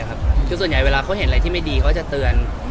คือส่วนใหญ่เวลาเขาเห็นอะไรที่ไม่ดีเขาจะเตือน